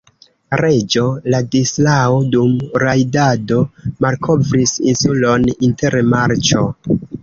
Reĝo Ladislao dum rajdado malkovris insulon inter marĉo.